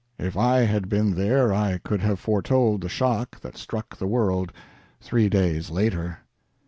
If I had been there I could have foretold the shock that struck the world three days later."